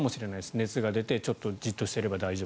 熱が出てちょっとじっとしていれば大丈夫。